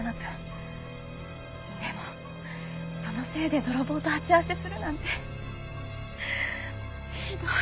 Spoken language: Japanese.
でもそのせいで泥棒と鉢合わせするなんてひどい！